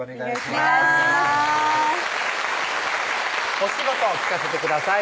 お仕事を聞かせてください